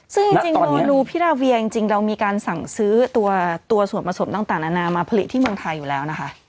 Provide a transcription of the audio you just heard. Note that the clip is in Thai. ซึ่งจริงโนนูพิราเวียจริงเรามีการสั่งซื้อตัวส่วนผสมต่างนานามาผลิตที่เมืองไทยอยู่แล้วนะคะ